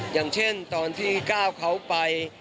อย่างเช่นตอนที่ก้าวเขาไป